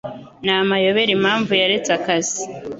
Ni amayobera impamvu yaretse akazi.